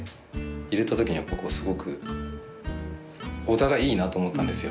入れたときにすごくお互いいいなと思ったんですよ。